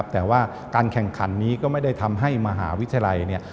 แต่ว่าการแข่งขันนี้ก็ไม่ได้ทำให้มหาวิทยาลัยเนี่ย